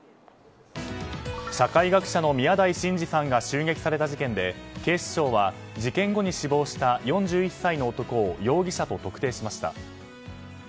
社会学者の宮台真司さんが襲撃された事件で警視庁は事件後に死亡した４１歳の男を容疑者と特定しました。